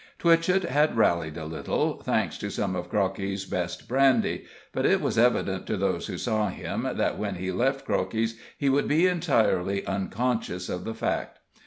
Twitchett had rallied a little, thanks to some of Crockey's best brandy, but it was evident to those who saw him that when he left Crockey's he would be entirely unconscious of the fact.